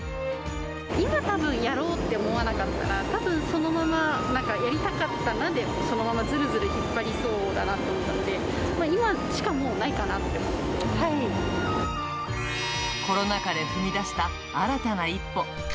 今たぶんやろうって思わなかったら、たぶんそのまま、なんかやりたかったなでそのままずるずる引っ張りそうだなというので、コロナ禍で踏み出した新たな一歩。